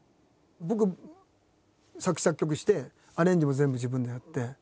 僕作詞作曲してアレンジも全部自分でやって。